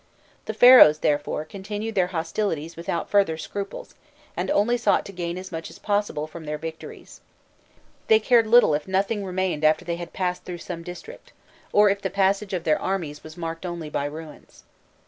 The Pharaohs, therefore, continued their hostilities without further scruples, and only sought to gain as much as possible from their victories. They cared little if nothing remained after they had passed through some district, or if the passage of their armies was marked only by ruins.